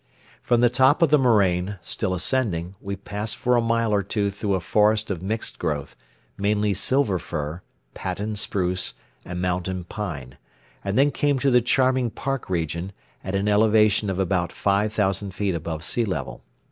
From the top of the moraine, still ascending, we passed for a mile or two through a forest of mixed growth, mainly silver fir, Patton spruce, and mountain pine, and then came to the charming park region, at an elevation of about five thousand feet above sea level.